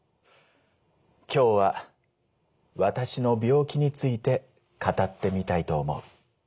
「今日は私の病気について語ってみたいと思う。